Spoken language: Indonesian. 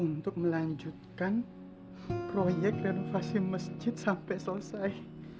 untuk melanjutkan proyek renovasi masjid sampai selesai